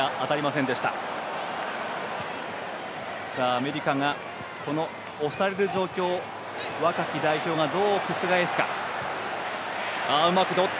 アメリカがこの押される状況を若き代表がどう覆すか。